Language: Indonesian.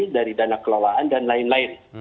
dari dana kelolaan dan lain lain